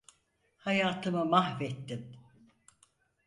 Hayatımı mahvettin!